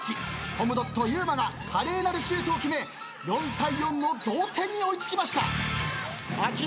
コムドットゆうまが華麗なるシュートを決め４対４の同点に追い付きました。